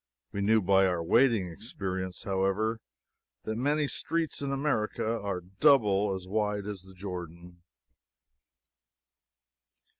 We knew by our wading experience, however, that many streets in America are double as wide as the Jordan.